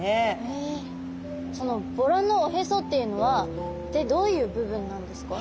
そのボラのおへそっていうのは一体どういう部分なんですか？